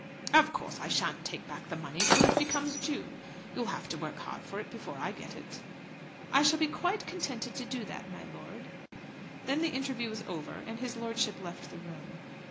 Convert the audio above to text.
"Of course I shan't take back the money till it becomes due. You'll have to work hard for it before I get it." "I shall be quite contented to do that, my lord." Then the interview was over and his lordship left the room.